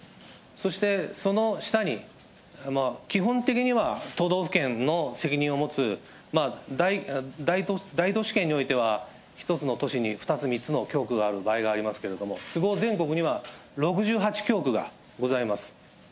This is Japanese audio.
そしてその下に基本的には都道府県の責任を持つ大都市圏においては１つの都市に２つ、３つの教区がある場合がありますけれども、全国には６８教区がございます。